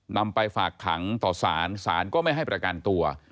นำไปฝากขังต่อสารศาลก็ไม่ให้ประกันตัว